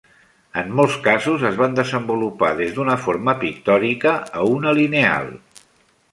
En molts casos es van desenvolupar des d'una forma pictòrica a una lineal.